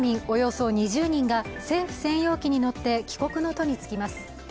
およそ２０人が政府専用機に乗って帰国の途につきます。